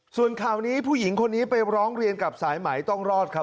ส่วนข่าวนี้ผู้หญิงคนนี้ไปร้องเรียนกับสายไหมต้องรอดครับ